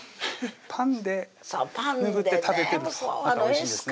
パンで拭って食べてもまたおいしいですね